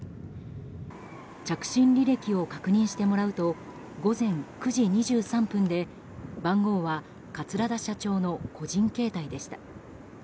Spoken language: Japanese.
着信履歴を確認してもらうと午前９時２３分で番号は、桂田社長の個人携帯でした。